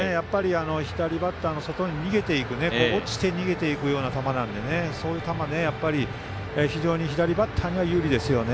左バッターの外に落ちて逃げていくような球なのでそういう球は非常に左バッターには有利ですね。